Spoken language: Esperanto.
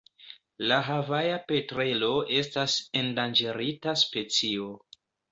La Havaja petrelo estas endanĝerita specio.